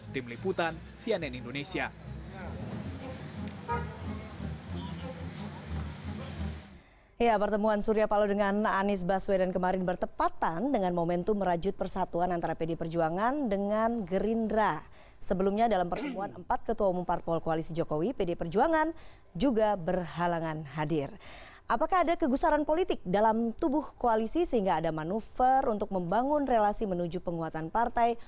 tim liputan sianen indonesia